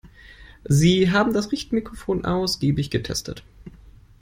Sie haben das Richtmikrofon ausgiebig getestet.